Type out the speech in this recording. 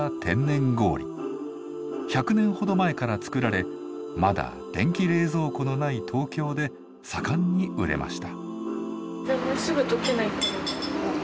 １００年ほど前から作られまだ電気冷蔵庫のない東京で盛んに売れました。